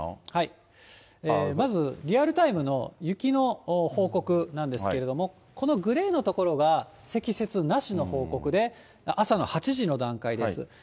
まずリアルタイムの雪の報告なんですけれども、このグレーの所は積雪なしの報告の所で、朝の８時の段階です。